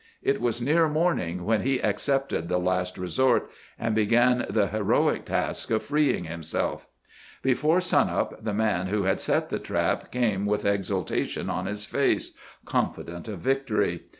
It was near morning when he accepted the last resort, and began the heroic task of freeing himself. Before sunup, the man who had set the trap came with exultation on his face, confident of victory.